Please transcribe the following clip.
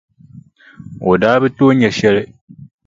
O daa bi tooi nya shɛli.